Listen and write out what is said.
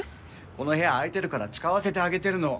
この部屋空いてるから使わせてあげてるの。